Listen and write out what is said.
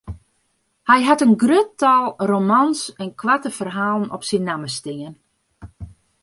Hy hat in grut tal romans en koarte ferhalen op syn namme stean.